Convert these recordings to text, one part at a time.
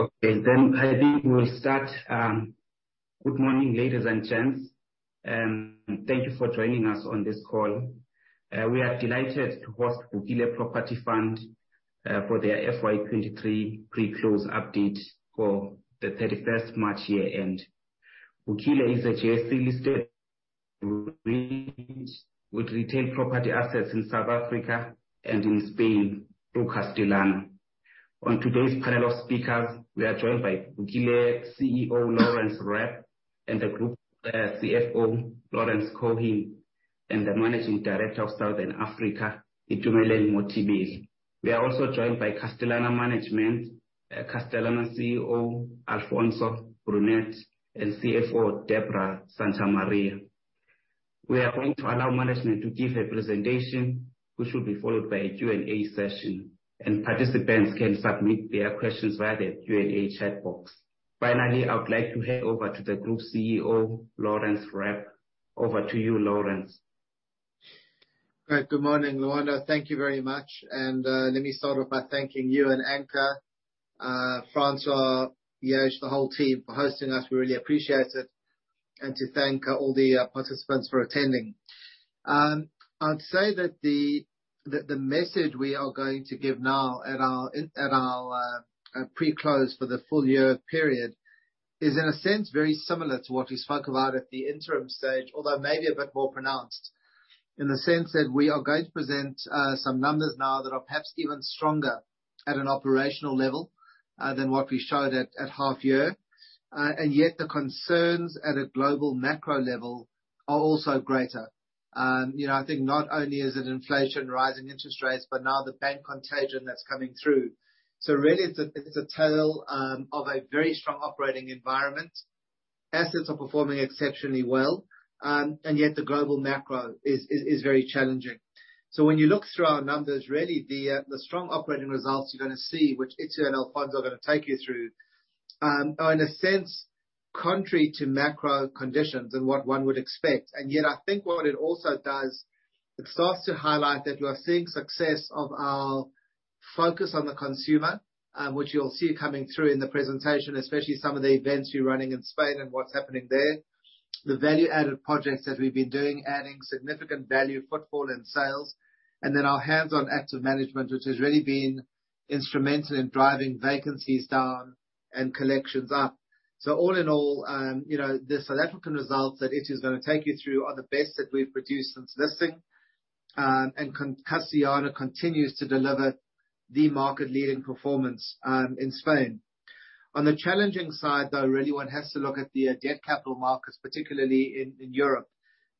Okay, I think we'll start. Good morning, ladies and gents, thank you for joining us on this call. We are delighted to host Vukile Property Fund for their FY 2023 pre-close update for the 31st March year-end. Vukile is a JSE-listed with retail property assets in South Africa and in Spain through Castellana. On today's panel of speakers, we are joined by Vukile CEO, Laurence Rapp, the Group CFO, Laurence Cohen, and the Managing Director of Southern Africa, Itumeleng Mothibeli. We are also joined by Castellana Management, Castellana CEO, Alfonso Brunet, and CFO, Debora Santamaria. We are going to allow management to give a presentation which will be followed by a Q&A session. Participants can submit their questions via the Q&A chat box. Finally, I would like to hand over to the Group CEO, Laurence Rapp. Over to you, Laurence. All right. Good morning, Lwando. Thank you very much. Let me start off by thanking you and Anchor, Francois, Yosh, the whole team for hosting us. We really appreciate it, and to thank all the participants for attending. I'd say that the message we are going to give now at our pre-close for the full year period is, in a sense, very similar to what we spoke about at the interim stage, although maybe a bit more pronounced. In the sense that we are going to present some numbers now that are perhaps even stronger at an operational level than what we showed at half year. Yet the concerns at a global macro level are also greater. You know, I think not only is it inflation, rising interest rates, but now the bank contagion that's coming through. Really it's a, it's a tale of a very strong operating environment. Assets are performing exceptionally well, and yet the global macro is very challenging. When you look through our numbers, really the strong operating results you're gonna see, which Itu and Alfonso are gonna take you through, are in a sense contrary to macro conditions and what one would expect. Yet I think what it also does, it starts to highlight that we are seeing success of our focus on the consumer, which you'll see coming through in the presentation, especially some of the events we're running in Spain and what's happening there. The value-added projects that we've been doing, adding significant value footfall and sales, and then our hands-on active management, which has really been instrumental in driving vacancies down and collections up. All in all, you know, the South African results that Itu is gonna take you through are the best that we've produced since listing. Castellana continues to deliver the market-leading performance in Spain. On the challenging side, though, really one has to look at the debt capital markets, particularly in Europe,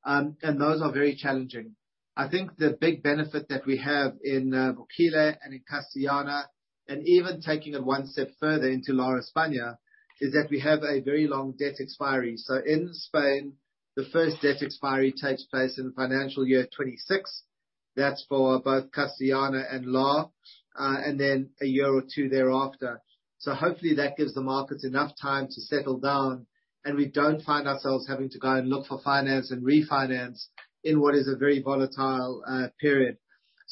and those are very challenging. I think the big benefit that we have in Vukile and in Castellana, and even taking it one step further into Lar España, is that we have a very long debt expiry. In Spain, the first debt expiry takes place in financial year 2026. That's for both Castellana and Lar, and then a year or two thereafter. Hopefully that gives the markets enough time to settle down, and we don't find ourselves having to go and look for finance and refinance in what is a very volatile period.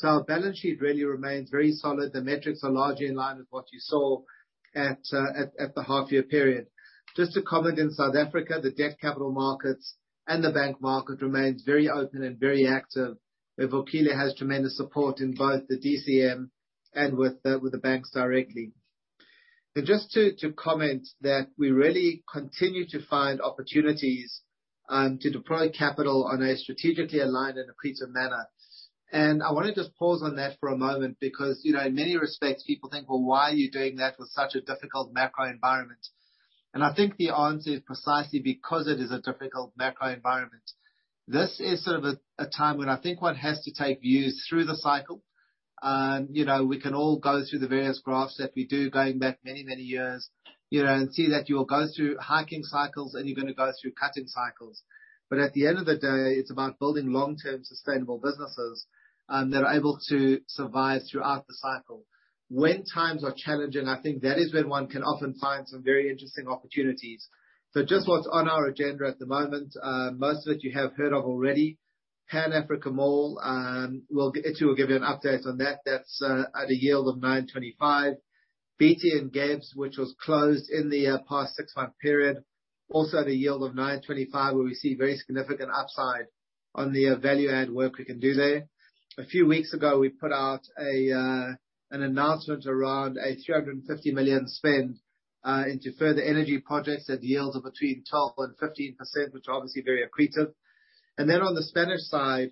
Our balance sheet really remains very solid. The metrics are largely in line with what you saw at the half-year period. Just to comment, in South Africa, the debt capital markets and the bank market remains very open and very active, where Vukile has tremendous support in both the DCM and with the banks directly. Just to comment that we really continue to find opportunities to deploy capital on a strategically aligned and accretive manner. I wanna just pause on that for a moment because, you know, in many respects, people think, "Well, why are you doing that with such a difficult macro environment?" I think the answer is precisely because it is a difficult macro environment. This is sort of a time when I think one has to take views through the cycle. You know, we can all go through the various graphs that we do going back many, many years, you know, and see that you'll go through hiking cycles and you're gonna go through cutting cycles. At the end of the day, it's about building long-term sustainable businesses that are able to survive throughout the cycle. When times are challenging, I think that is when one can often find some very interesting opportunities. Just what's on our agenda at the moment, most of it you have heard of already. Pan Africa Mall, Itu will give you an update on that. That's at a yield of 9.25%. BT Games, which was closed in the 6-month period, also at a yield of 9.25%, where we see very significant upside on the value add work we can do there. A few weeks ago, we put out an announcement around a 350 million spend into further energy projects at yields of between 12.15%, which are obviously very accretive. On the Spanish side,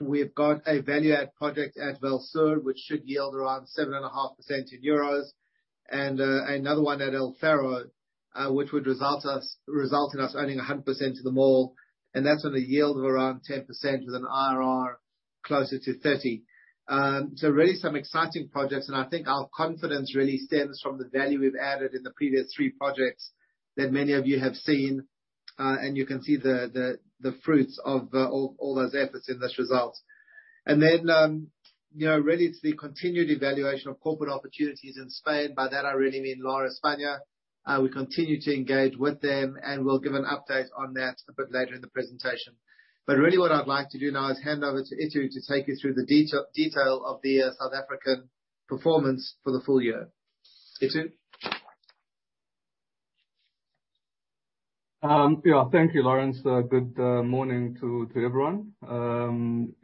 we've got a value-add project at Vallsur, which should yield around 7.5% in Euros, and another one at El Faro, which would result in us owning 100% of the mall, and that's on a yield of around 10% with an IRR closer to 30%. So really some exciting projects, and I think our confidence really stems from the value we've added in the previous three projects that many of you have seen, and you can see the fruits of all those efforts in this result. You know, really it's the continued evaluation of corporate opportunities in Spain. By that I really mean Lar España. We continue to engage with them, and we'll give an update on that a bit later in the presentation. Really what I'd like to do now is hand over to Itu to take you through the detail of the South African performance for the full year. Itu? Yeah, thank you, Laurence. Good morning to everyone.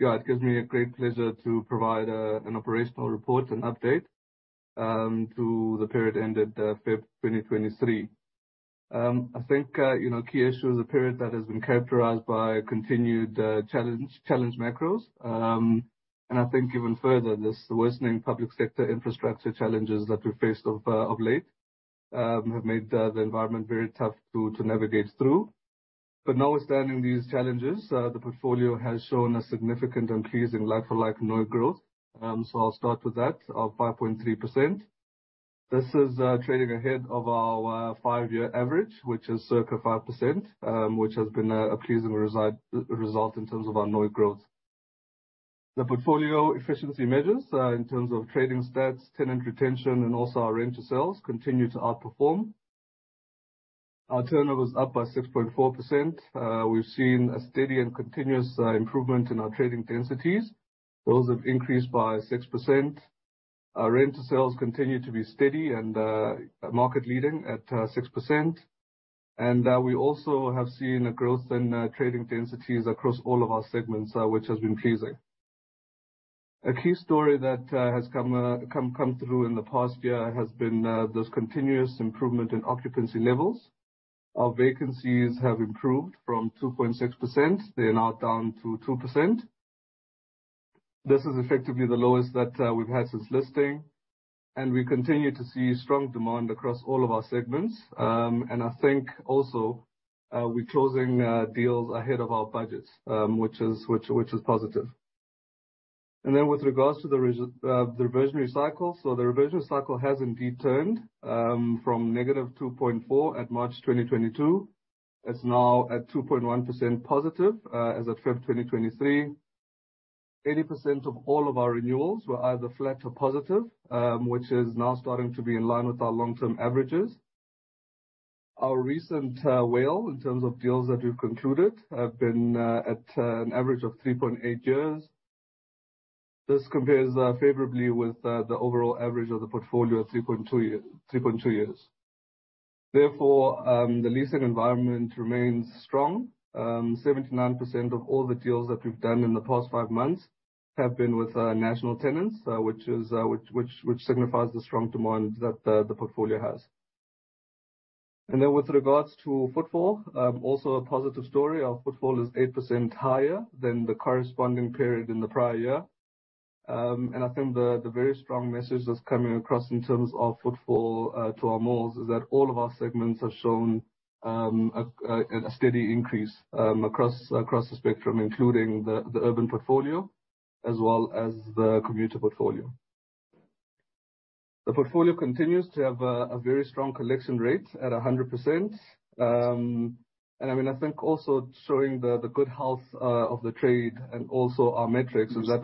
Yeah, it gives me a great pleasure to provide an operational report and update to the period ended February 2023. I think, you know, key issue is a period that has been characterized by continued challenge, challenged macros. I think even further, there's the worsening public sector infrastructure challenges that we faced of late, have made the environment very tough to navigate through. Notwithstanding these challenges, the portfolio has shown a significant increase in like-for-like NOI growth, so I'll start with that, of 5.3%. This is trading ahead of our five-year average, which is circa 5%, which has been a pleasing result in terms of our NOI growth. The portfolio efficiency measures, in terms of trading stats, tenant retention, and also our rent to sales, continue to outperform. Our turnover is up by 6.4%. We've seen a steady and continuous improvement in our trading densities. Those have increased by 6%. Our rent to sales continue to be steady and market-leading at 6%. We also have seen a growth in trading densities across all of our segments, which has been pleasing. A key story that has come through in the past year has been this continuous improvement in occupancy levels. Our vacancies have improved from 2.6%. They are now down to 2%. This is effectively the lowest that we've had since listing, and we continue to see strong demand across all of our segments. I think also, we're closing deals ahead of our budgets, which is positive. With regards to the reversionary cycle, the reversion cycle has indeed turned from -2.4 at March 2022. It's now at 2.1% positive as at February 2023. 80% of all of our renewals were either flat or positive, which is now starting to be in line with our long-term averages. Our recent WALE in terms of deals that we've concluded have been at an average of 3.8 years. This compares favorably with the overall average of the portfolio of 3.2 years. The leasing environment remains strong. 79% of all the deals that we've done in the past five months have been with national tenants, which signifies the strong demand that the portfolio has. With regards to footfall, also a positive story. Our footfall is 8% higher than the corresponding period in the prior year. I think the very strong message that's coming across in terms of footfall to our malls is that all of our segments have shown a steady increase across the spectrum, including the urban portfolio, as well as the commuter portfolio. The portfolio continues to have a very strong collection rate at 100%. I mean, I think also showing the good health of the trade and also our metrics is that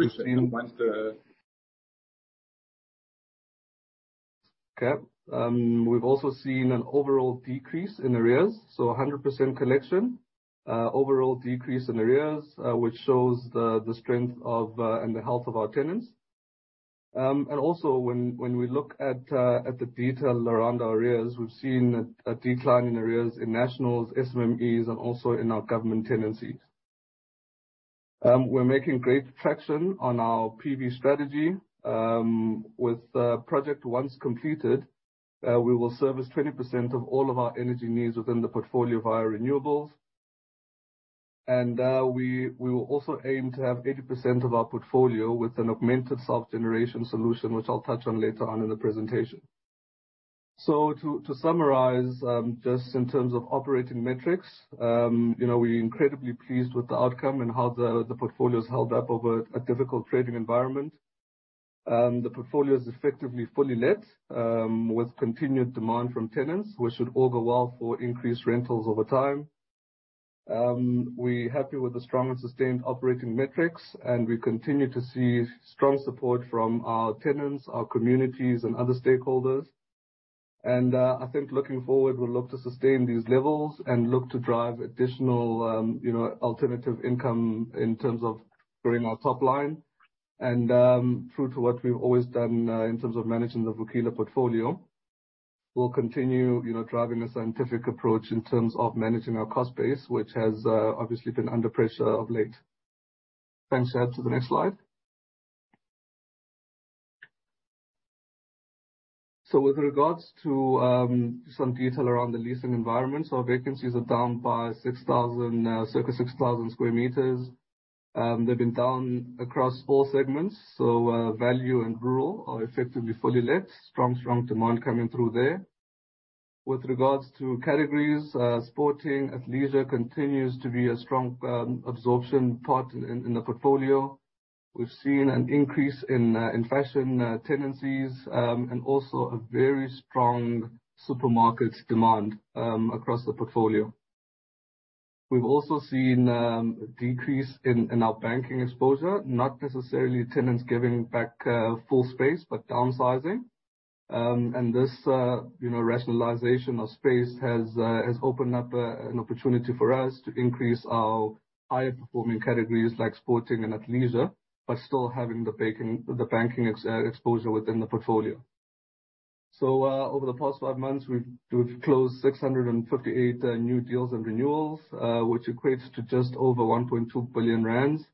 we've also seen an overall decrease in arrears, so 100% collection. Overall decrease in arrears, which shows the strength of and the health of our tenants. Also when we look at the detail around our arrears, we've seen a decline in arrears in nationals, SMMEs, and also in our government tenancies. We're making great traction on our PV strategy. With the project once completed, we will service 20% of all of our energy needs within the portfolio via renewables. We will also aim to have 80% of our portfolio with an augmented self-generation solution, which I'll touch on later on in the presentation. To summarize, just in terms of operating metrics, you know, we're incredibly pleased with the outcome and how the portfolio's held up over a difficult trading environment. The portfolio is effectively fully let, with continued demand from tenants, which should all go well for increased rentals over time. We're happy with the strong and sustained operating metrics, we continue to see strong support from our tenants, our communities, and other stakeholders. I think looking forward, we'll look to sustain these levels and look to drive additional, you know, alternative income in terms of growing our top line. True to what we've always done, in terms of managing the Vukile portfolio, we'll continue, you know, driving a scientific approach in terms of managing our cost base, which has obviously been under pressure of late. Thanks, Ed, to the next slide. With regards to, some detail around the leasing environment, Vacancies are down by 6,000, circa 6,000 square meters. They've been down across all segments. Value and rural are effectively fully let. Strong, strong demand coming through there. With regards to categories, sporting and leisure continues to be a strong, absorption part in the portfolio. We've seen an increase in fashion tenancies. Also a very strong supermarkets demand, across the portfolio. We've also seen, a decrease in our banking exposure, not necessarily tenants giving back, full space, but downsizing. This, you know, rationalization of space has opened up an opportunity for us to increase our higher-performing categories like sporting and athleisure, but still having the banking exposure within the portfolio. Over the past five months, we've closed 658 new deals and renewals, which equates to just over 1.2 billion rand.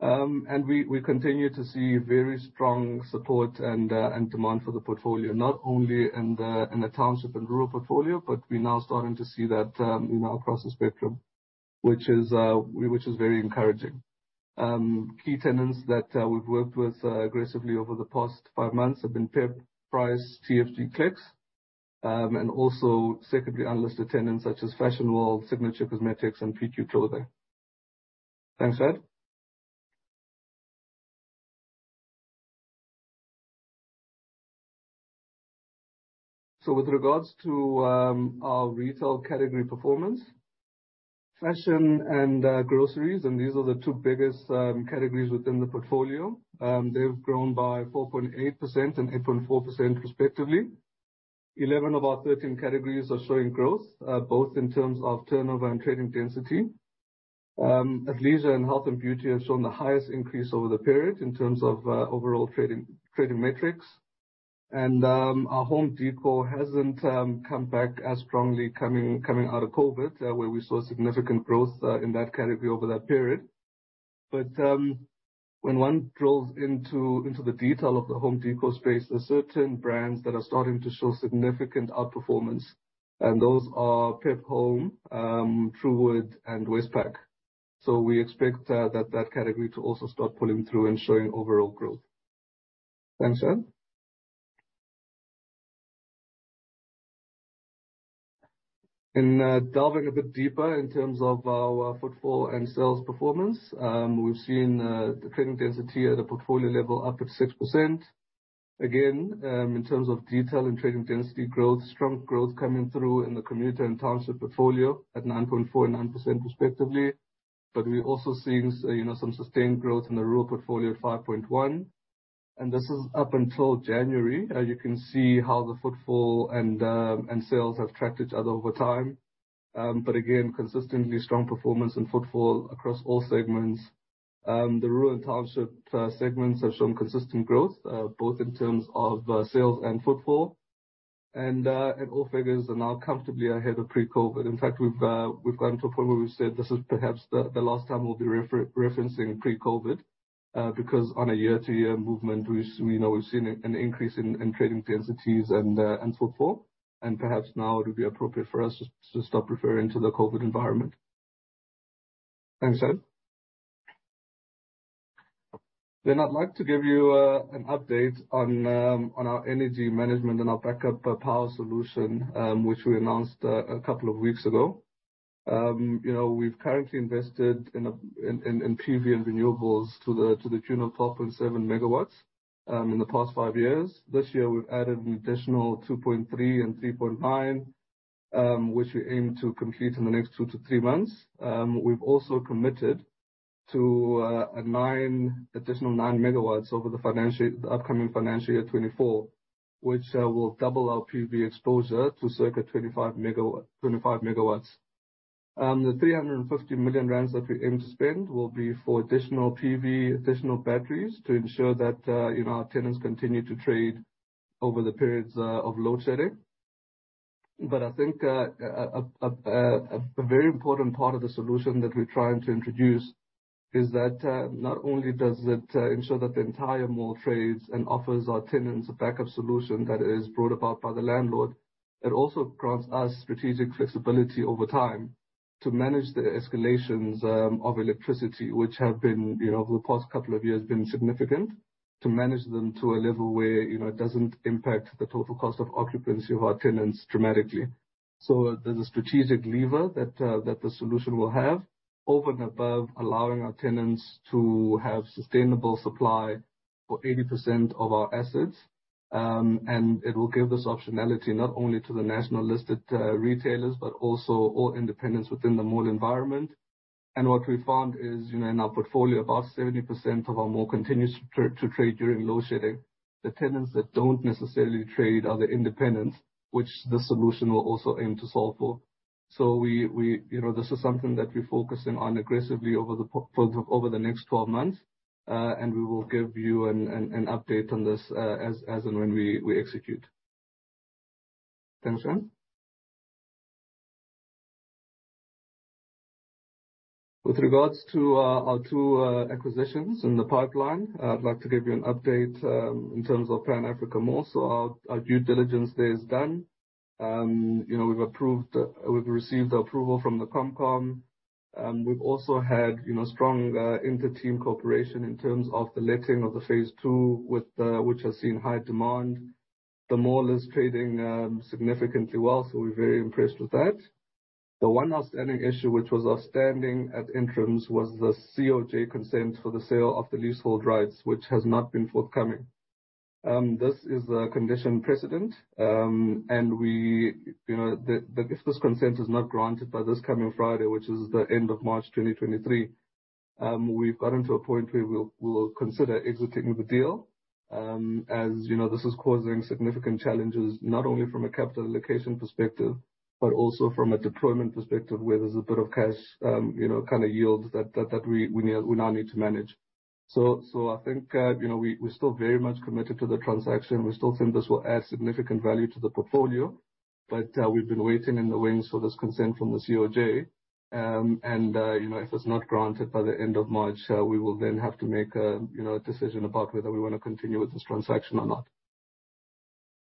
And we continue to see very strong support and demand for the portfolio, not only in the township and rural portfolio, but we're now starting to see that, you know, across the spectrum, which is very encouraging. Key tenants that we've worked with aggressively over the past five months have been PEP, Price, TFG, Clicks, unlisted tenants such as Fashion World, Signature Cosmetics and PQ Clothing. Thanks, Ed. With regards to our retail category performance, fashion and groceries, these are the two biggest categories within the portfolio, they've grown by 4.8% and 8.4% respectively. 11 of our 13 categories are showing growth both in terms of turnover and trading density. Athleisure and health and beauty have shown the highest increase over the period in terms of overall trading metrics. Our home decor hasn't come back as strongly coming out of COVID, where we saw significant growth in that category over that period. When one drills into the detail of the home decor space, there's certain brands that are starting to show significant outperformance, and those are PEP Home, Truworths and West Pack. We expect that category to also start pulling through and showing overall growth. Thanks, Ed. Delving a bit deeper in terms of our footfall and sales performance, we've seen the trading density at a portfolio level up at 6%. Again, in terms of detail and trading density growth, strong growth coming through in the commuter and township portfolio at 9.4% and 9% respectively. We're also seeing you know, some sustained growth in the rural portfolio at 5.1%. This is up until January. You can see how the footfall and sales have tracked each other over time. Again, consistently strong performance in footfall across all segments. The rural and township segments have shown consistent growth, both in terms of sales and footfall. All figures are now comfortably ahead of pre-COVID. In fact, we've gotten to a point where we've said this is perhaps the last time we'll be referencing pre-COVID, because on a year-to-year movement, we know we've seen an increase in trading densities and footfall, and perhaps now it would be appropriate for us to stop referring to the COVID environment. Thanks, Ed. I'd like to give you an update on our energy management and our backup power solution, which we announced a couple of weeks ago. you know, we've currently invested in PV and renewables to the tune of 12.7 MW in the past five years. This year, we've added an additional 2.3 MW and 3.9 MW, which we aim to complete in the next two to three months. We've also committed to additional 9 MW over the upcoming financial year 2024, which will double our PV exposure to circa 25 MW. The 350 million rand that we aim to spend will be for additional PV, additional batteries to ensure that, you know, our tenants continue to trade over the periods of load shedding. I think a very important part of the solution that we're trying to introduce is that not only does it ensure that the entire mall trades and offers our tenants a backup solution that is brought about by the landlord, it also grants us strategic flexibility over time to manage the escalations of electricity, which have been, you know, over the past couple of years, been significant, to manage them to a level where, you know, it doesn't impact the total cost of occupancy of our tenants dramatically. There's a strategic lever that the solution will have over and above allowing our tenants to have sustainable supply for 80% of our assets. It will give this optionality not only to the national listed retailers, but also all independents within the mall environment. What we found is, you know, in our portfolio, about 70% of our mall continues to trade during load shedding. The tenants that don't necessarily trade are the independents, which the solution will also aim to solve for. We, you know, this is something that we're focusing on aggressively over the next 12 months, and we will give you an update on this as and when we execute. Thanks, Ed. With regards to our two acquisitions in the pipeline, I'd like to give you an update in terms of Pan Africa Mall. Our due diligence there is done. You've approved, we've received the approval from the Comp Com. We've also had, you know, strong inter-team cooperation in terms of the letting of the phase two with which has seen high demand. The mall is trading significantly well, so we're very impressed with that. The one outstanding issue which was outstanding at interims was the COJ consent for the sale of the leasehold rights, which has not been forthcoming. This is a condition precedent, and we, you know, if this consent is not granted by this coming Friday, which is the end of March 2023, we've gotten to a point where we'll, we will consider exiting the deal. As you know, this is causing significant challenges, not only from a capital allocation perspective, but also from a deployment perspective, where there's a bit of cash, you know, kind of yields that we now need to manage. I think, you know, we're still very much committed to the transaction. We still think this will add significant value to the portfolio, we've been waiting in the wings for this consent from the COJ. If it's not granted by the end of March, we will then have to make a, you know, decision about whether we want to continue with this transaction or not.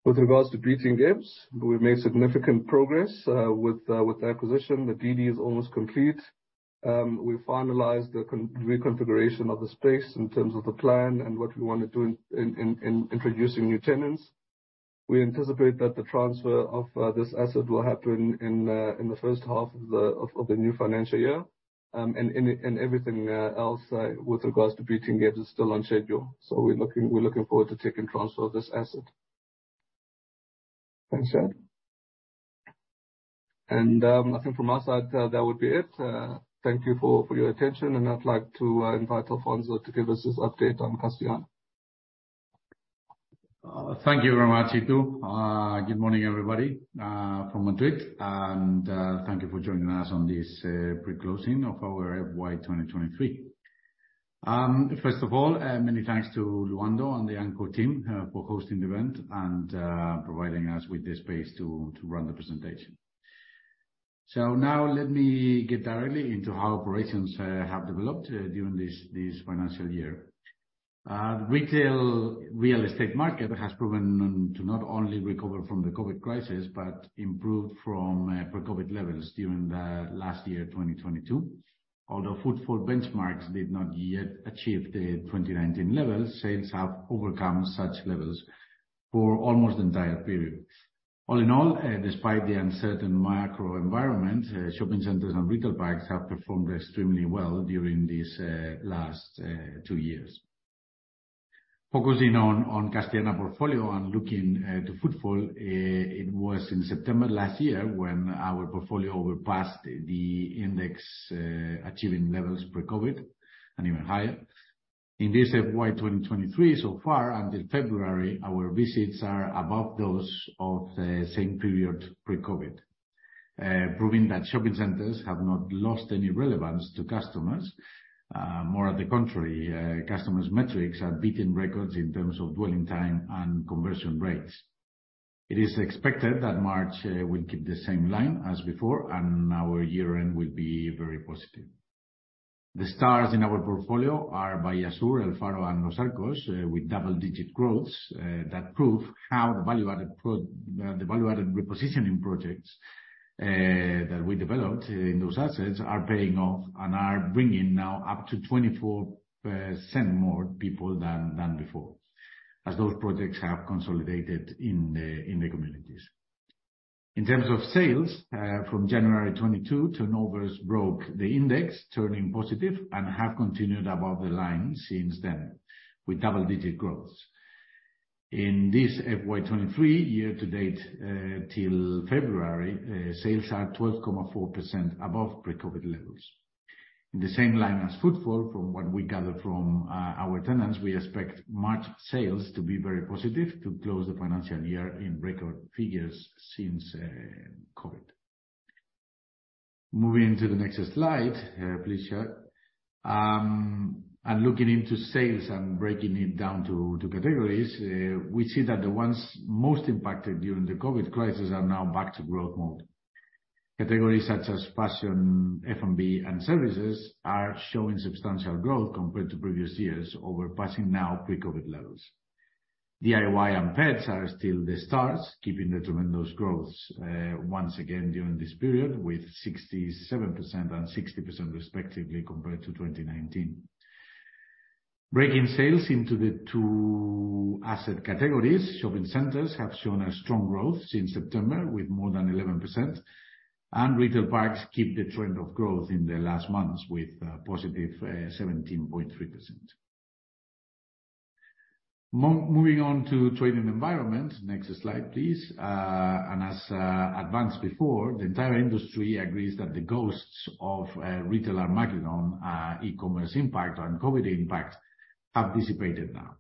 With regards to BT Games, we've made significant progress with the acquisition. The DD is almost complete. We finalized the reconfiguration of the space in terms of the plan and what we want to do in introducing new tenants. We anticipate that the transfer of this asset will happen in the first half of the new financial year. Everything else with regards to BT Games is still on schedule. We're looking forward to taking transfer of this asset. Thanks, Chad. I think from our side, that would be it. Thank you for your attention, and I'd like to invite Alfonso to give us his update on Castellana. Thank you very much, Itu. Good morning, everybody, from Madrid. Thank you for joining us on this pre-closing of our FY 2023. First of all, many thanks to Lwando and the Anchor team, for hosting the event and providing us with the space to run the presentation. Now let me get directly into how operations have developed during this financial year. Retail real estate market has proven to not only recover from the COVID crisis, but improved from pre-COVID levels during the last year, 2022. Although footfall benchmarks did not yet achieve the 2019 levels, sales have overcome such levels for almost the entire period. All in all, despite the uncertain macro environment, shopping centers and retail parks have performed extremely well during this last two years. Focusing on Castellana portfolio and looking to footfall, it was in September last year when our portfolio overpassed the index, achieving levels pre-COVID and even higher. In this FY 2023 so far, until February, our visits are above those of the same period pre-COVID. Proving that shopping centers have not lost any relevance to customers. More at the contrary, customers metrics are beating records in terms of dwelling time and conversion rates. It is expected that March will keep the same line as before and our year-end will be very positive. The stars in our portfolio are Bahía Sur, El Faro, and Los Arcos, with double-digit growth, that prove how the value-added repositioning projects that we developed in those assets are paying off and are bringing now up to 24% more people than before, as those projects have consolidated in the communities. In terms of sales, from January 2022, turnovers broke the index, turning positive and have continued above the line since then with double-digit growth. In this FY 2023 year to date, till February, sales are 12.4% above pre-COVID levels. In the same line as footfall, from what we gather from our tenants, we expect March sales to be very positive to close the financial year in record figures since COVID. Moving to the next slide. Please, Chad. Looking into sales and breaking it down to categories, we see that the ones most impacted during the COVID crisis are now back to growth mode. Categories such as fashion, F&B, and services are showing substantial growth compared to previous years over passing now pre-COVID levels. DIY and pets are still the stars, keeping the tremendous growth once again during this period, with 67% and 60%, respectively, compared to 2019. Breaking sales into the two asset categories, shopping centers have shown a strong growth since September with more than 11%, and retail parks keep the trend of growth in the last months with positive 17.3%. Moving on to trading environment. Next slide, please. As advanced before, the entire industry agrees that the ghosts of retail are marking on e-commerce impact and COVID impact have dissipated now.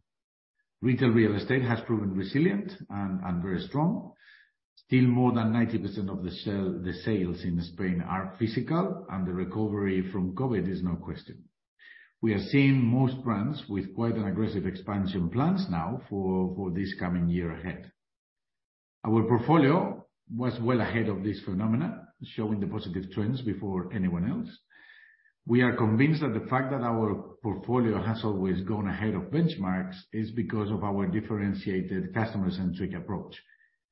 Retail real estate has proven resilient and very strong. Still, more than 90% of the sales in Spain are physical, and the recovery from COVID is no question. We are seeing most brands with quite an aggressive expansion plans now for this coming year ahead. Our portfolio was well ahead of this phenomena, showing the positive trends before anyone else. We are convinced that the fact that our portfolio has always gone ahead of benchmarks is because of our differentiated customer-centric approach,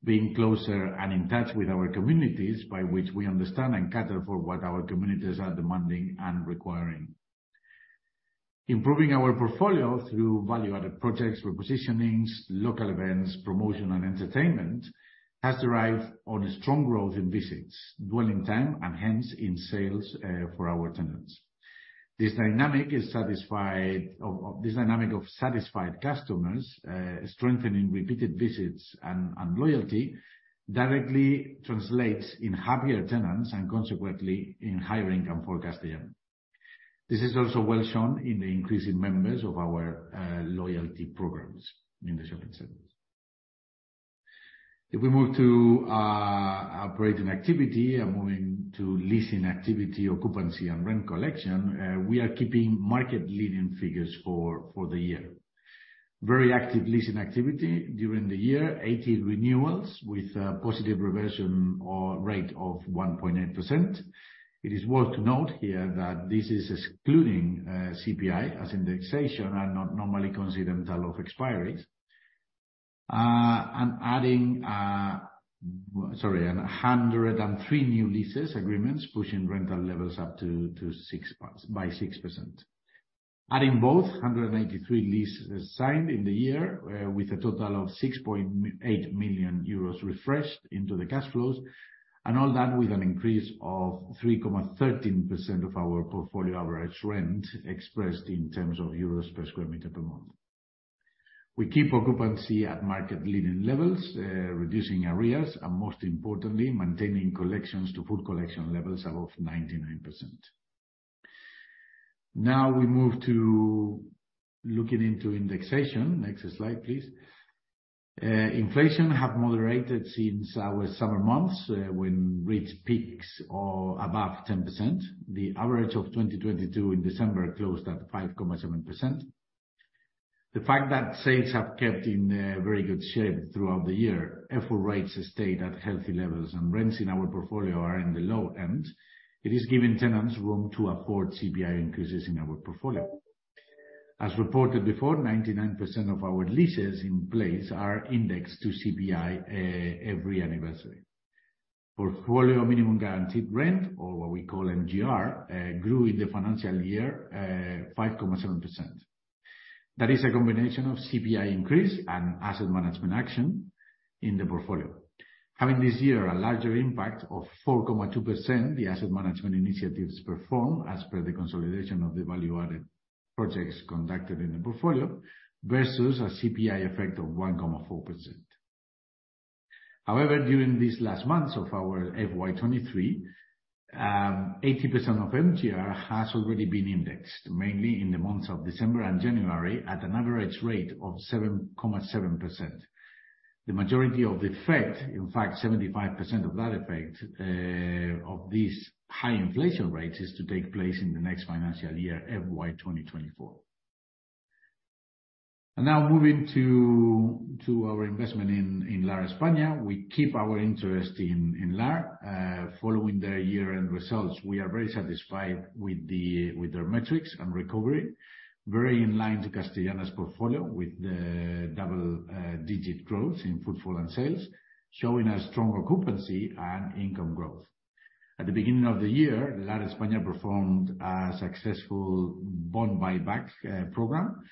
being closer and in touch with our communities by which we understand and cater for what our communities are demanding and requiring. Improving our portfolio through value-added projects, repositionings, local events, promotion and entertainment has derived on a strong growth in visits, dwelling time, and hence in sales for our tenants. This dynamic of satisfied customers strengthening repeated visits and loyalty directly translates in happier tenants and consequently in higher income for Castellana. This is also well shown in the increase in members of our loyalty programs in the shopping centers. If we move to operating activity and moving to leasing activity, occupancy and rent collection, we are keeping market leading figures for the year. Very active leasing activity during the year, 18 renewals with a positive reversion or rate of 1.8%. It is worth to note here that this is excluding CPI as indexation are not normally considered until of expiry. Adding 103 new leases agreements, pushing rental levels by 6%. Adding both, 183 leases signed in the year with a total of 6.8 million euros refreshed into the cash flows. All that with an increase of 3.13% of our portfolio average rent expressed in terms of euros per square meter per month. We keep occupancy at market leading levels, reducing arrears, and most importantly, maintaining collections to full collection levels above 99%. Now we move to looking into indexation. Next slide, please. Inflation have moderated since our summer months, when reached peaks, or above 10%. The average of 2022 in December closed at 5.7%. The fact that sales have kept in very good shape throughout the year, effort rates stayed at healthy levels, and rents in our portfolio are in the low end. It has given tenants room to afford CPI increases in our portfolio. As reported before, 99% of our leases in place are indexed to CPI every anniversary. Portfolio minimum guaranteed rent, or what we call MGR, grew in the financial year, 5.7%. That is a combination of CPI increase and asset management action in the portfolio. Having this year a larger impact of 4.2%, the asset management initiatives performed as per the consolidation of the value-added projects conducted in the portfolio versus a CPI effect of 1.4%. During these last months of our FY 2023, 80% of MGR has already been indexed, mainly in the months of December and January, at an average rate of 7.7%. The majority of the effect, in fact, 75% of that effect, of these high inflation rates, is to take place in the next financial year, FY 2024. Now moving to our investment in Lar España. We keep our interest in Lar. Following their year-end results, we are very satisfied with their metrics and recovery. Very in line to Castellana's portfolio with the double-digit growth in footfall and sales, showing a strong occupancy and income growth. At the beginning of the year, Lar España performed a successful bond buyback program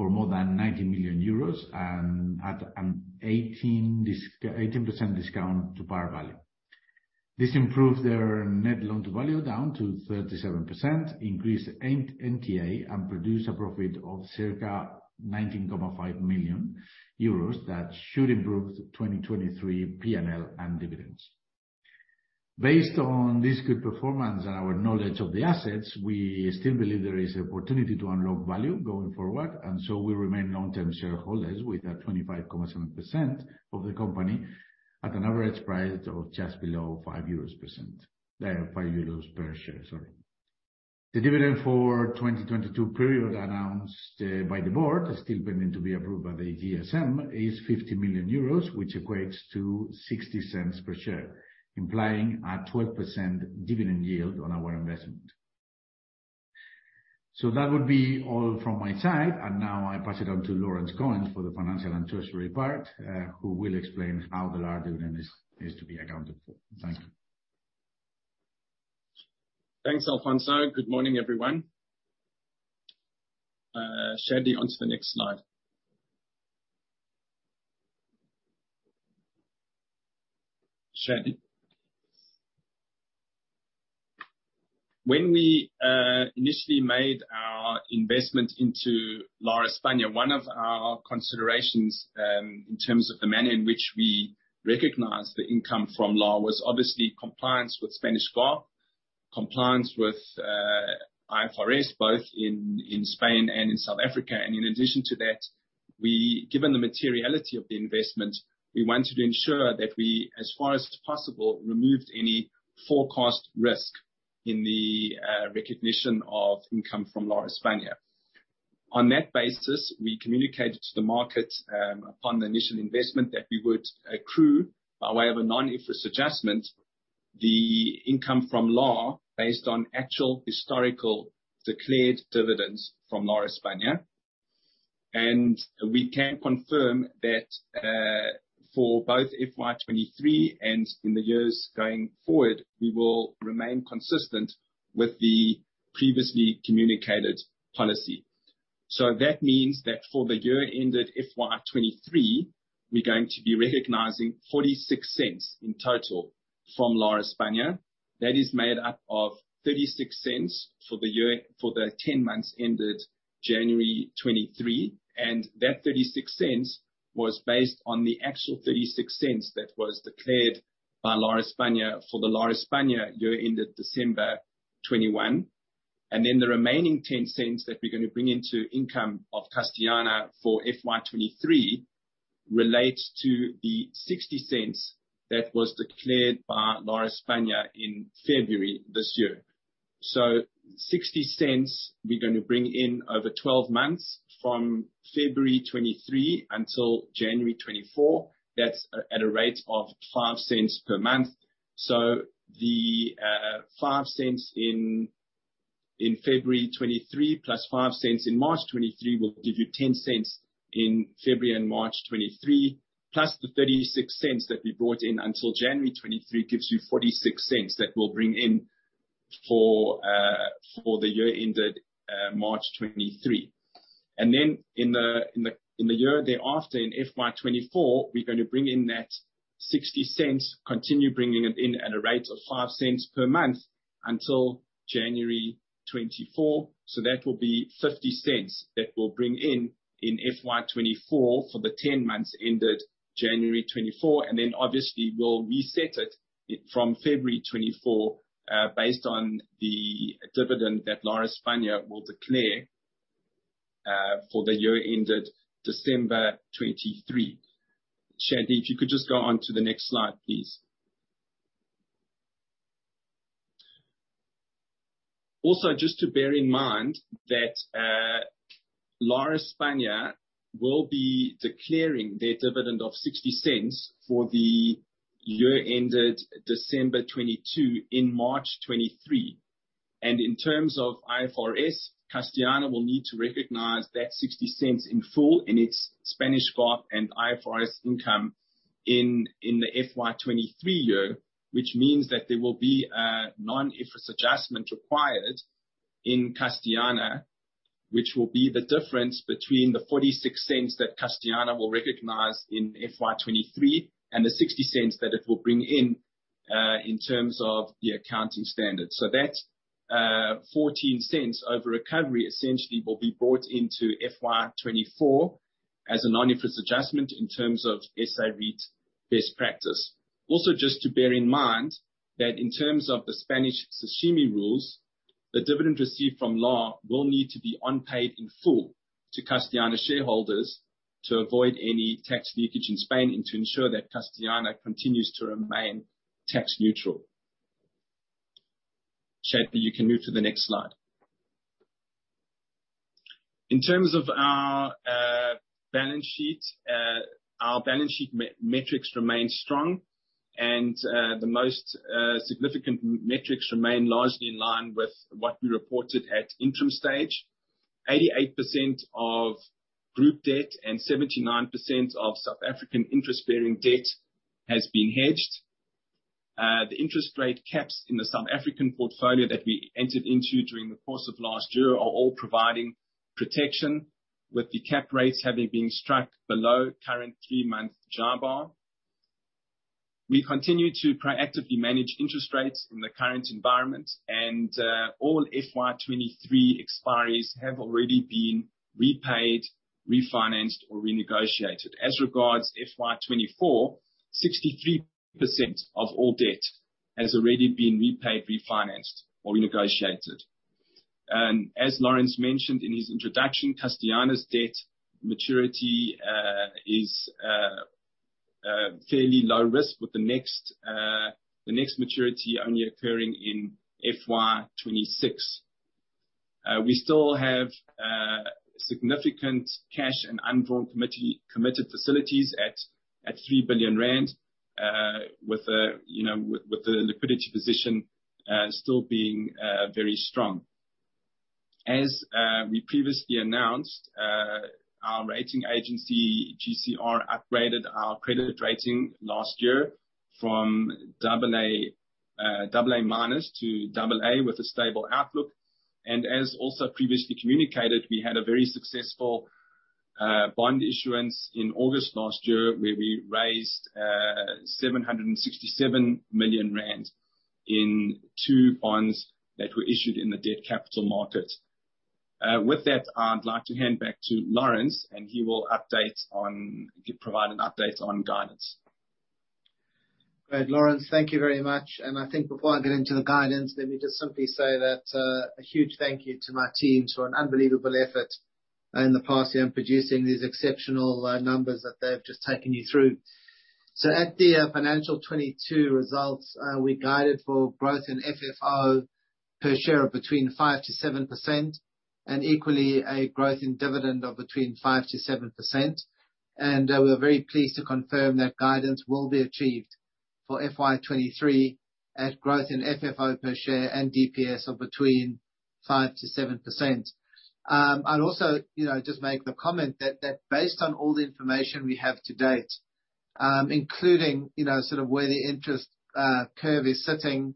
for more than 90 million euros and at an 18% discount to par value. This improved their net loan to value down to 37%, increased NTA, and produced a profit of circa 19.5 million euros that should improve 2023 P&L and dividends. Based on this good performance and our knowledge of the assets, we still believe there is opportunity to unlock value going forward. We remain long-term shareholders with a 25.7% of the company at an average price of just below 5 euros per share, sorry. The dividend for 2022 period announced, by the board, still pending to be approved by the GSM, is 50 million euros, which equates to 0.60 per share, implying a 12% dividend yield on our investment. That would be all from my side. Now I pass it on to Laurence Cohen for the financial and treasury part, who will explain how the LAR dividend is to be accounted for. Thank you. Thanks, Alfonso. Good morning, everyone. Shady, on to the next slide. Shady. When we initially made our investment into Lar España, one of our considerations in terms of the manner in which we recognized the income from Lar was obviously compliance with Spanish GAAP, compliance with IFRS, both in Spain and in South Africa. In addition to that, given the materiality of the investment, we wanted to ensure that we, as far as possible, removed any forecast risk in the recognition of income from Lar España. On that basis, we communicated to the market, upon the initial investment, that we would accrue, by way of a non-IFRS adjustment, the income from LAR based on actual historical declared dividends from Lar España. We can confirm that for both FY 2023 and in the years going forward, we will remain consistent with the previously communicated policy. That means that for the year ended FY 2023, we're going to be recognizing 0.46 in total from Lar España. That is made up of 0.36 for the 10 months ended January 2023. That 0.36 was based on the actual 0.36 that was declared by Lar España for the Lar España year ended December 2021. The remaining 0.10 that we're going to bring into income of Castellana for FY23 relates to the 0.60 that was declared by Lar España in February 2023. EUR 0.60 we're going to bring in over 12 months from February 2023 until January 2024. That's at a rate of 0.05 per month. The 0.05 in February 2023 plus 0.05 in March 2023 will give you 0.10 in February and March 2023, plus the 0.36 that we brought in until January 2023 gives you 0.46 that we will bring in for the year ended March 2023. In the year thereafter, in FY 2024, we're going to bring in that 0.60, continue bringing it in at a rate of 0.05 per month until January 2024. That will be 0.50 that we'll bring in in FY 2024 for the 10 months ended January 2024. Obviously we'll reset it from February 2024 based on the dividend that Lar España will declare for the year ended December 2023. Shady, if you could just go on to the next slide, please. Just to bear in mind that Lar España will be declaring their dividend of 0.60 for the year ended December 2022 in March 2023. In terms of IFRS, Castellana will need to recognize that 0.60 in full in its Spanish GAAP and IFRS income in the FY 2023 year, which means that there will be a non-IFRS adjustment required in Castellana, which will be the difference between the 0.46 that Castellana will recognize in FY 2023 and the 0.60 that it will bring in in terms of the accounting standards. That 0.14 over recovery essentially will be brought into FY 2024 as a non-IFRS adjustment in terms of SA REIT best practice. Also, just to bear in mind that in terms of the Spanish SOCIMI rules, the dividend received from LAR will need to be unpaid in full to Castellana shareholders to avoid any tax leakage in Spain and to ensure that Castellana continues to remain tax neutral. Shady, you can move to the next slide. In terms of our balance sheet, our balance sheet metrics remain strong and the most significant metrics remain largely in line with what we reported at interim stage. 88% of group debt and 79% of South African interest-bearing debt has been hedged. The interest rate caps in the South African portfolio that we entered into during the course of last year are all providing protection, with the cap rates having been struck below current three-month JIBAR. We continue to proactively manage interest rates in the current environment and all FY 2023 expiries have already been repaid, refinanced, or renegotiated. As regards FY 2024, 63% of all debt has already been repaid, refinanced, or renegotiated. As Laurence mentioned in his introduction, Castellana's debt maturity is fairly low risk, with the next maturity only occurring in FY 2026. We still have significant cash and undrawn committed facilities at 3 billion rand, with, you know, with the liquidity position still being very strong. As we previously announced, our rating agency, GCR, upgraded our credit rating last year from AA- to AA with a stable outlook. As also previously communicated, we had a very successful bond issuance in August last year, where we raised 767 million rand in two bonds that were issued in the debt capital market. With that, I'd like to hand back to Laurence, he'll provide an update on guidance. Great, Laurence, thank you very much. I think before I get into the guidance, let me just simply say that a huge thank you to my team for an unbelievable effort in the past year in producing these exceptional numbers that they have just taken you through. At the financial 2022 results, we guided for growth in FFO per share of between 5%-7% and equally a growth in dividend of between 5%-7%. We're very pleased to confirm that guidance will be achieved. For FY 2023 at growth in FFO per share and DPS of between 5%-7%. I'd also, you know, just make the comment that based on all the information we have to date, including, you know, sort of where the interest curve is sitting,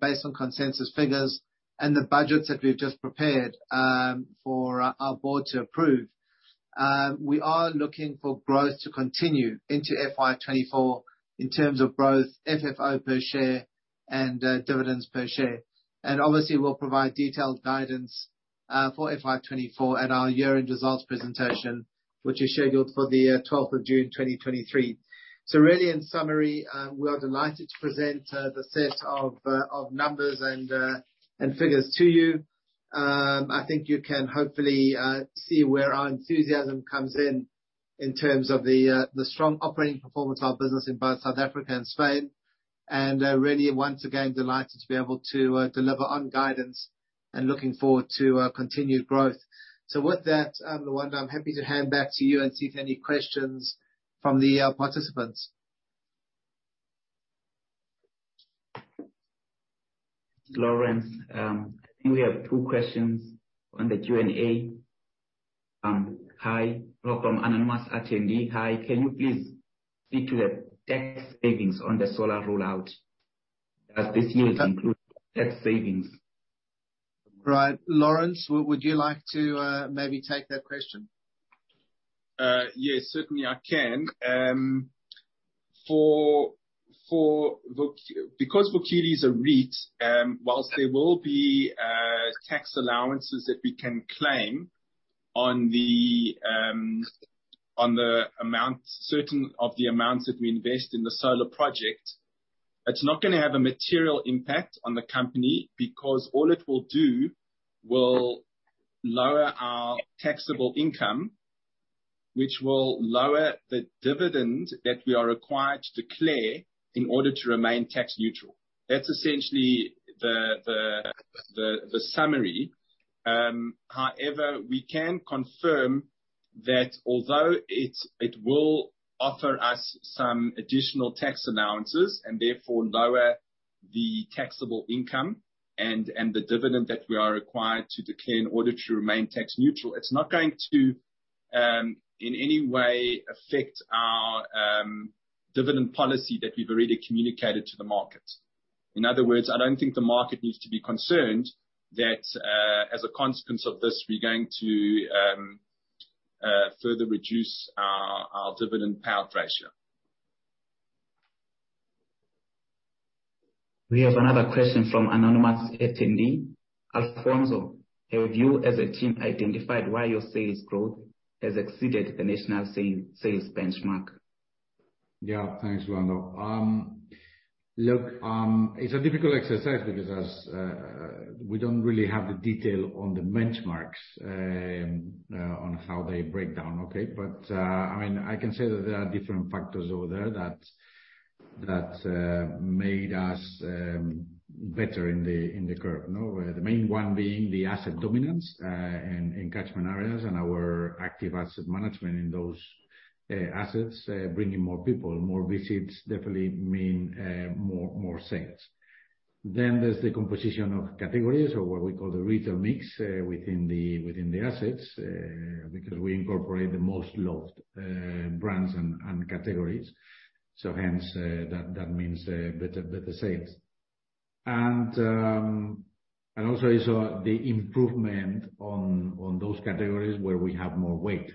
based on consensus figures and the budgets that we've just prepared for our board to approve, we are looking for growth to continue into FY 2024 in terms of both FFO per share and dividends per share. Obviously, we'll provide detailed guidance for FY 2024 at our year-end results presentation, which is scheduled for the 12th of June, 2023. Really, in summary, we are delighted to present the set of numbers and figures to you. I think you can hopefully see where our enthusiasm comes in in terms of the strong operating performance of our business in both South Africa and Spain. Really, once again, delighted to be able to deliver on guidance and looking forward to continued growth. With that, Lwando, I'm happy to hand back to you and see if any questions from the participants. Laurence, I think we have two questions on the Q&A. Hi. Well, from anonymous attendee. Hi. Can you please speak to the tax savings on the solar rollout? Does this include tax savings? Right. Laurence, would you like to, maybe take that question? Yes. Certainly, I can. Because Vukile is a REIT, whilst there will be tax allowances that we can claim on the amount, certain of the amounts that we invest in the solar project, it's not going to have a material impact on the company, because all it will do will lower our taxable income, which will lower the dividend that we are required to declare in order to remain tax neutral. That's essentially the summary. However, we can confirm that although it will offer us some additional tax allowances, and therefore lower the taxable income and the dividend that we are required to declare in order to remain tax neutral, it's not going to in any way affect our dividend policy that we've already communicated to the market. In other words, I don't think the market needs to be concerned that, as a consequence of this, we're going to further reduce our dividend payout ratio. We have another question from anonymous attendee. Alfonso, have you as a team identified why your sales growth has exceeded the national sales benchmark? Yeah. Thanks, Lwando. Look, it's a difficult exercise because we don't really have the detail on the benchmarks on how they break down, okay? I mean, I can say that there are different factors over there that made us better in the curve. You know, the main one being the asset dominance in catchment areas and our active asset management in those assets, bringing more people, more visits definitely mean more sales. There's the composition of categories or what we call the retail mix within the assets because we incorporate the most loved brands and categories, so hence that means better sales. Also it's the improvement on those categories where we have more weight,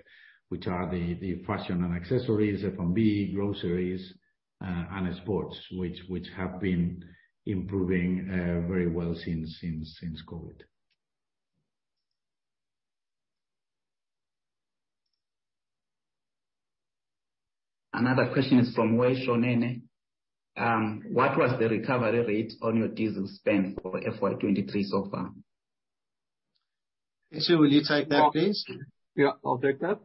which are the fashion and accessories, F&B, groceries, and sports, which have been improving very well since COVID. Another question is from Moisho Nene. What was the recovery rate on your diesel spend for FY 2023 so far? Moisho, will you take that, please? Yeah, I'll take that.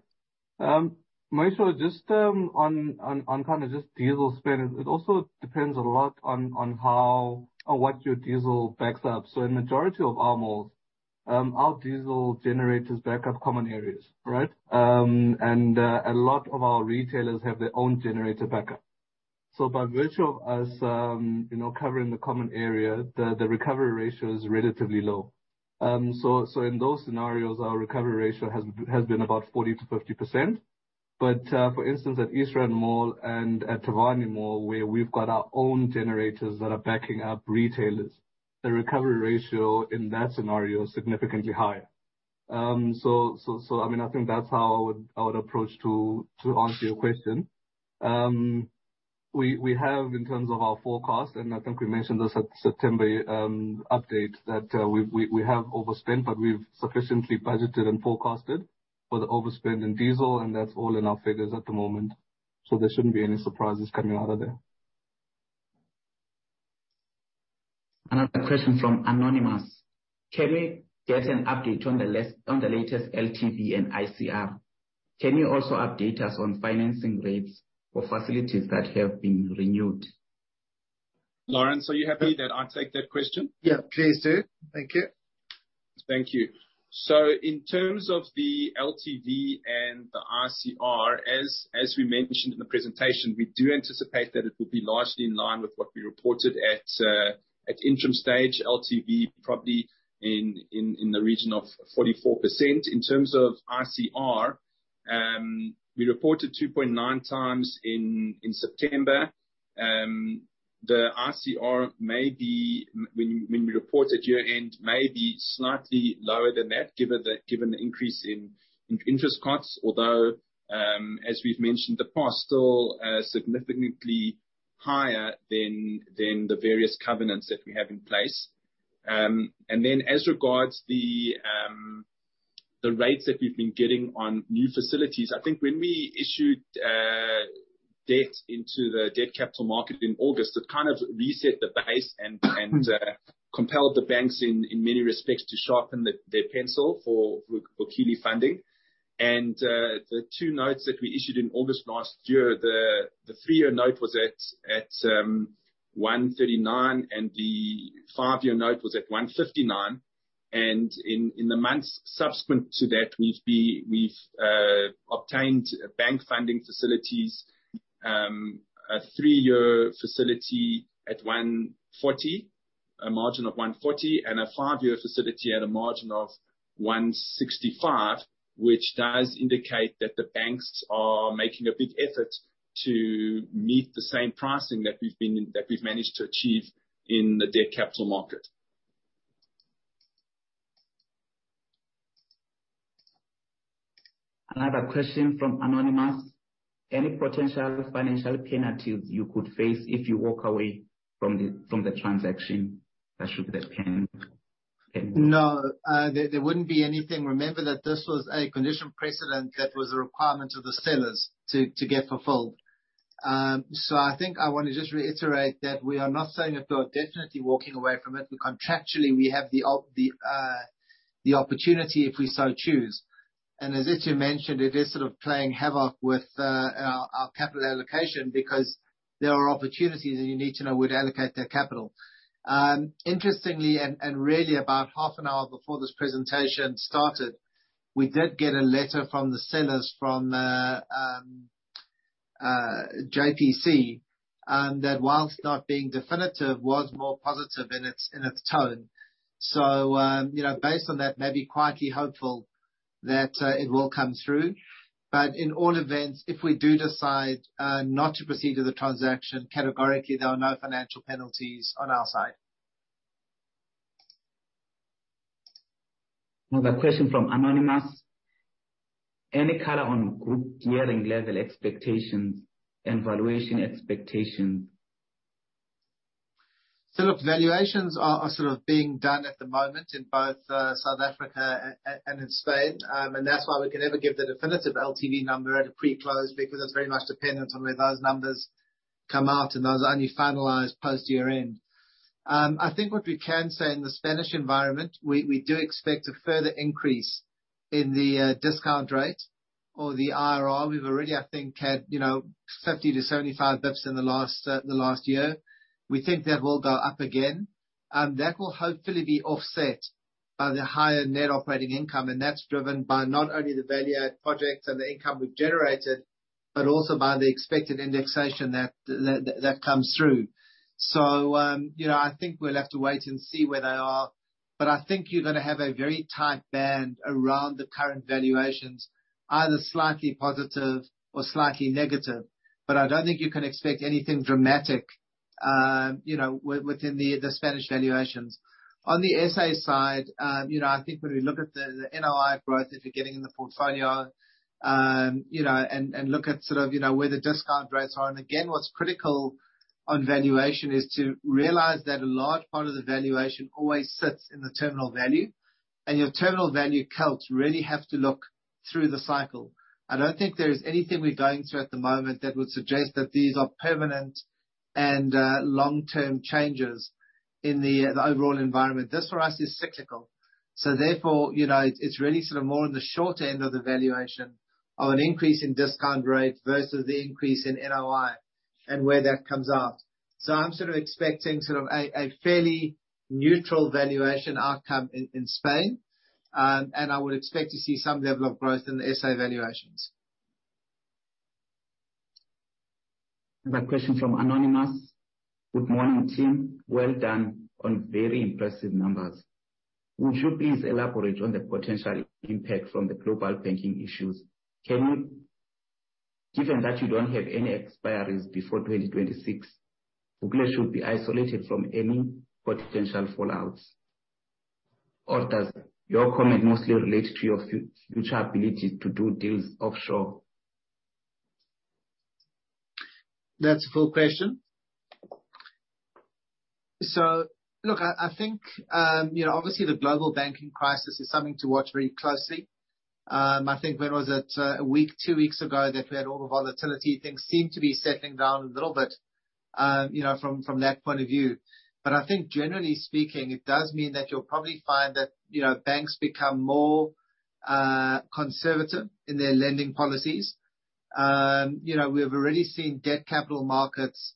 Moisho, on kinda diesel spend, it also depends a lot on how or what your diesel backs up. A majority of our malls, our diesel generators back up common areas, right? A lot of our retailers have their own generator backup. By virtue of us, you know, covering the common area, the recovery ratio is relatively low. In those scenarios, our recovery ratio has been about 40%-50%. For instance, at East Rand Mall and at Thavhani Mall, where we've got our own generators that are backing up retailers, the recovery ratio in that scenario is significantly higher. I mean, I think that's how I would approach to answer your question. We have in terms of our forecast, and I think we mentioned this at September update that we have overspend, but we've sufficiently budgeted and forecasted for the overspend in diesel, and that's all in our figures at the moment. There shouldn't be any surprises coming out of there. Another question from anonymous. Can we get an update on the latest LTV and ICR? Can you also update us on financing rates for facilities that have been renewed? Laurence, are you happy that I take that question? Yeah, please do. Thank you. Thank you. In terms of the LTV and the ICR, as we mentioned in the presentation, we do anticipate that it will be largely in line with what we reported at interim stage. LTV probably in the region of 44%. In terms of ICR, we reported 2.9 times in September. The ICR may be, when we report at year-end, may be slightly lower than that given the increase in interest costs. Although, as we've mentioned, the bar is still significantly higher than the various covenants that we have in place. As regards the rates that we've been getting on new facilities, I think when we issued debt into the debt capital market in August, it kind of reset the base and compelled the banks in many respects to sharpen their pencil for Vukile funding. The two notes that we issued in August last year, the three-year note was at 139, and the five-year note was at 159. In the months subsequent to that, we've obtained bank funding facilities, a three-year facility at 140, a margin of 140, and a five-year facility at a margin of 165, which does indicate that the banks are making a big effort to meet the same pricing that we've been... that we've managed to achieve in the debt capital market. Another question from anonymous. Any potential financial penalties you could face if you walk away from the transaction that should end? No. There wouldn't be anything. Remember that this was a condition precedent that was a requirement of the sellers to get fulfilled. I think I wanna just reiterate that we are not saying that we are definitely walking away from it. We contractually have the opportunity if we so choose. As Itu mentioned, it is sort of playing havoc with our capital allocation because there are opportunities and you need to know where to allocate that capital. Interestingly, and really about half an hour before this presentation started, we did get a letter from the sellers, from JPC, that whilst not being definitive, was more positive in its tone. You know, based on that, maybe quietly hopeful that it will come through. In all events, if we do decide not to proceed with the transaction, categorically there are no financial penalties on our side. Another question from anonymous. Any color on group gearing level expectations and valuation expectations? Look, valuations are sort of being done at the moment in both South Africa and in Spain. That's why we can never give the definitive LTV number at a pre-close, because it's very much dependent on where those numbers come out, and those are only finalized close to year-end. I think what we can say in the Spanish environment, we do expect a further increase in the discount rate or the IRR. We've already, I think, had, you know, 50 basis points to 75 basis points in the last year. We think that will go up again. That will hopefully be offset by the higher net operating income, and that's driven by not only the value add projects and the income we've generated, but also by the expected indexation that comes through. You know, I think we'll have to wait and see where they are, but I think you're gonna have a very tight band around the current valuations, either slightly positive or slightly negative. I don't think you can expect anything dramatic, you know, within the Spanish valuations. On the SA side, you know, I think when we look at the NOI growth that you're getting in the portfolio, you know, and look at sort of, you know, where the discount rates are. Again, what's critical on valuation is to realize that a large part of the valuation always sits in the terminal value. Your terminal value counts really have to look through the cycle. I don't think there is anything we're going through at the moment that would suggest that these are permanent and long-term changes in the overall environment. This for us is cyclical. Therefore, you know, it's really sort of more on the short end of the valuation of an increase in discount rate versus the increase in NOI and where that comes out. I'm sort of expecting sort of a fairly neutral valuation outcome in Spain. I would expect to see some level of growth in the SA valuations. Another question from anonymous. Good morning, team. Well done on very impressive numbers. Would you please elaborate on the potential impact from the global banking issues? Given that you don't have any expiries before 2026, Vukile should be isolated from any potential fallouts. Or does your comment mostly relate to your future ability to do deals offshore? That's a full question. Look, I think, you know, obviously the global banking crisis is something to watch very closely. I think when was it, one week, two weeks ago that we had all the volatility, things seem to be settling down a little bit, you know, from that point of view. I think generally speaking, it does mean that you'll probably find that, you know, banks become more conservative in their lending policies. You know, we have already seen debt capital markets,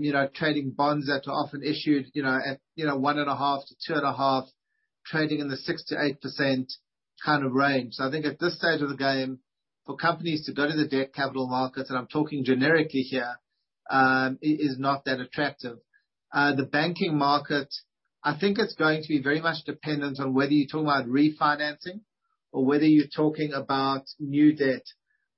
you know, trading bonds that are often issued, you know, at, you know, 1.5%- 2.5%, trading in the 6%-8% kind of range. I think at this stage of the game, for companies to go to the debt capital markets, and I'm talking generically here, it is not that attractive. The banking market, I think it's going to be very much dependent on whether you're talking about refinancing or whether you're talking about new debt.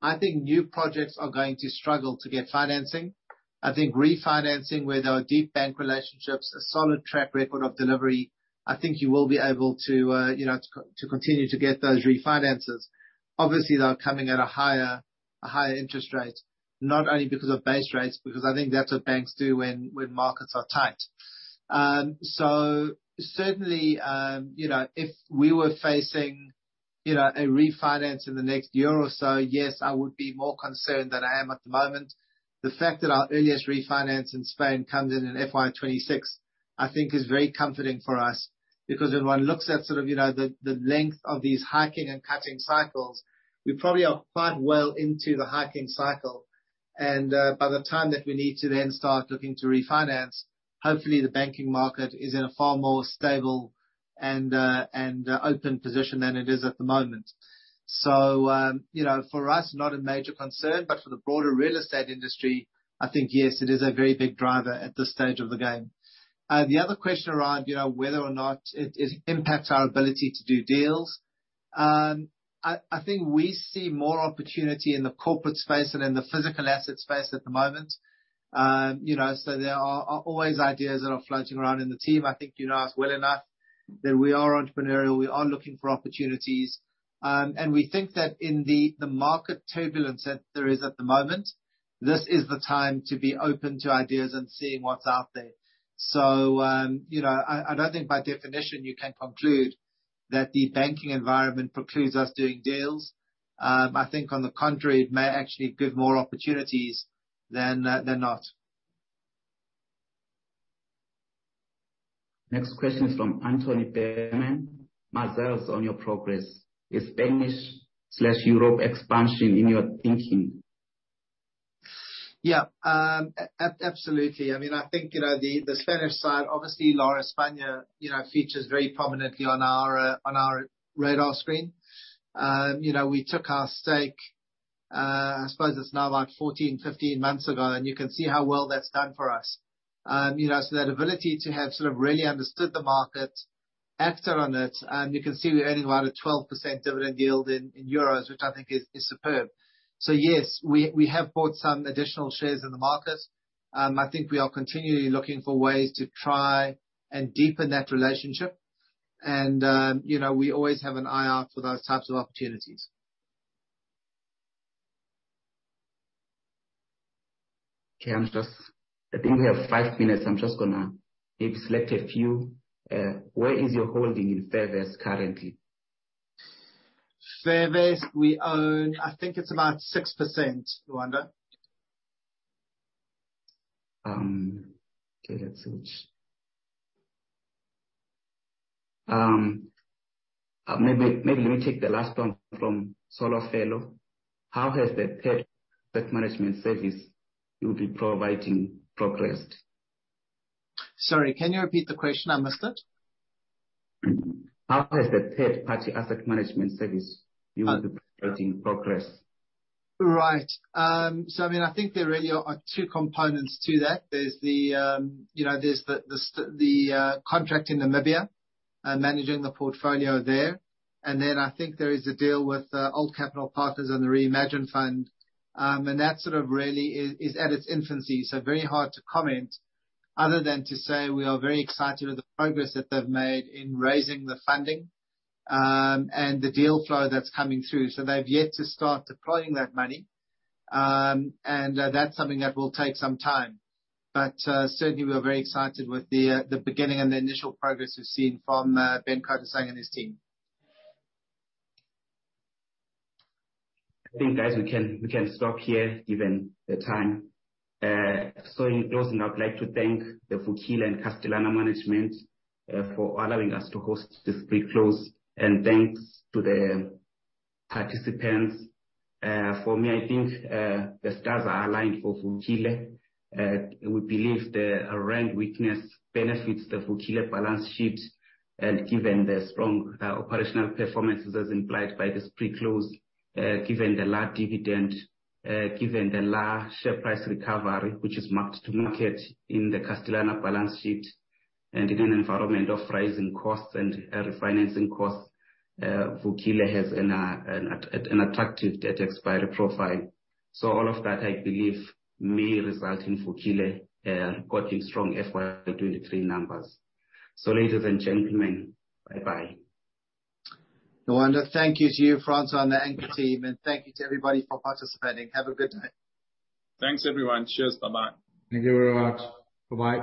I think new projects are going to struggle to get financing. I think refinancing where there are deep bank relationships, a solid track record of delivery, I think you will be able to, you know, to continue to get those refinances. Obviously, they're coming at a higher interest rate, not only because of base rates, because I think that's what banks do when markets are tight. Certainly, you know, if we were facing, you know, a refinance in the next year or so, yes, I would be more concerned than I am at the moment. The fact that our earliest refinance in Spain comes in in FY 2026, I think is very comforting for us, because if one looks at sort of, you know, the length of these hiking and cutting cycles, we probably are quite well into the hiking cycle. By the time that we need to then start looking to refinance, hopefully the banking market is in a far more stable and open position than it is at the moment. You know, for us, not a major concern. For the broader real estate industry, I think, yes, it is a very big driver at this stage of the game. The other question around, you know, whether or not it impacts our ability to do deals. I think we see more opportunity in the corporate space than in the physical asset space at the moment. You know, there are always ideas that are floating around in the team. I think you know us well enough that we are entrepreneurial, we are looking for opportunities. We think that in the market turbulence that there is at the moment, this is the time to be open to ideas and seeing what's out there. You know, I don't think by definition you can conclude that the banking environment precludes us doing deals. I think on the contrary, it may actually give more opportunities than not. Next question is from Anthony Berman. Mazal tov on your progress. Is Spanish/Europe expansion in your thinking? Yeah. Absolutely. I mean, I think, you know, the Spanish side, obviously Lar España, you know, features very prominently on our radar screen. You know, we took our stake, I suppose it's now about 14, 15 months ago, and you can see how well that's done for us. You know, so that ability to have sort of really understood the market, acted on it, you can see we're earning around a 12% dividend yield in euros, which I think is superb. Yes, we have bought some additional shares in the market. I think we are continually looking for ways to try and deepen that relationship. You know, we always have an eye out for those types of opportunities. Okay. I think we have five minutes. I'm just gonna maybe select a few. Where is your holding in Fairvest currently? Fairvest we own, I think it's about 6%, Lwando. Okay, let's see. Maybe let me take the last one from Solo Fellow. How has the third asset management service you'll be providing progressed? Sorry, can you repeat the question? I missed it. How has the third-party asset management service you will be providing progressed? Right. I mean, I think there really are two components to that. There's the, you know, there's the contract in Namibia, managing the portfolio there. I think there is a deal with ALT Capital Partners and the REimagine fund. That sort of really is at its infancy, very hard to comment other than to say we are very excited with the progress that they've made in raising the funding, and the deal flow that's coming through. They've yet to start deploying that money. That's something that will take some time. Certainly we're very excited with the beginning and the initial progress we've seen from Ben Kodisang and his team. I think, guys, we can, we can stop here, given the time. So in closing, I'd like to thank the Vukile and Castellana management, for allowing us to host this pre-close. Thanks to the participants. For me, I think, the stars are aligned for Vukile. We believe the rand weakness benefits the Vukile balance sheets, and given the strong operational performances as implied by this pre-close, given the large dividend, given the large share price recovery, which is marked to market in the Castellana balance sheet. In an environment of rising costs and refinancing costs, Vukile has an attractive debt expiry profile. All of that I believe may result in Vukile quoting strong FY 2023 numbers. Ladies and gentlemen, bye-bye. Lwando, thank you to you, Francois and the Anchor team, and thank you to everybody for participating. Have a good night. Thanks, everyone. Cheers. Bye-bye. Thank you very much. Bye-bye.